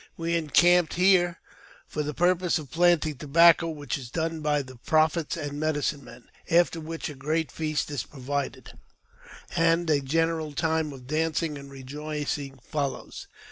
We encamped here for the purpose of planting tobacco, which is done by the prophets and medicine men ; after which a great feast is provided, and a general time of dancing and rejoicing follows.